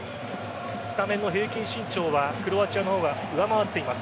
スタメンの平均身長はクロアチアの方が上回っています。